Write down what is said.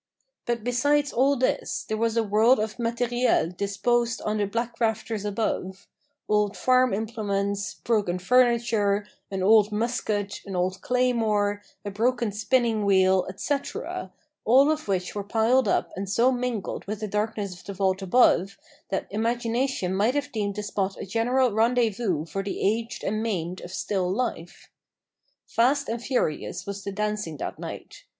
But besides all this, there was a world of materiel disposed on the black rafters above old farm implements, broken furniture, an old musket, an old claymore, a broken spinning wheel, etcetera, all of which were piled up and so mingled with the darkness of the vault above, that imagination might have deemed the spot a general rendezvous for the aged and the maimed of "still life." Fast and furious was the dancing that night.